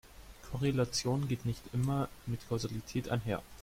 Korrelation geht nicht immer mit Kausalität einher.